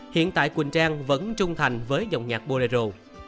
hiện tại quỳnh trang vẫn trung thành với dòng nhạc borer